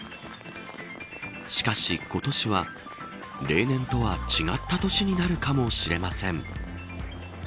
しかし今年は例年とは違った年になるかもしれません。